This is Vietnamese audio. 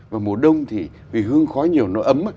và mùa đông thì vì hương khói nhiều nó ấm